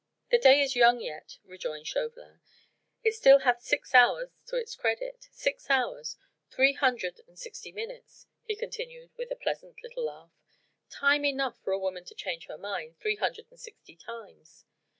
"The day is young yet," rejoined Chauvelin. "It still hath six hours to its credit.... Six hours.... Three hundred and sixty minutes!" he continued with a pleasant little laugh; "time enough for a woman to change her mind three hundred and sixty times.